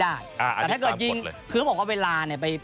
แต่ถ้าเกิดยิงคือเขาบอกว่าเวลาเนี่ยไป